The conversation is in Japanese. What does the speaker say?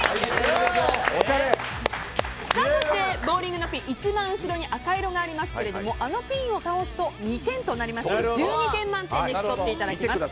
そしてボウリングのピン一番後ろに赤色がありますけれどもあのピンを倒すと２点となりまして１２点満点で競ってもらいます。